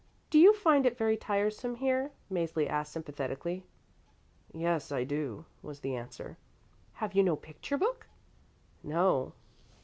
"Do you find it very tiresome here?" Mäzli asked sympathetically. "Yes, I do," was the answer. "Have you no picture book" "No."